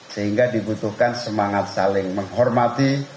sehingga dibutuhkan semangat saling menghormati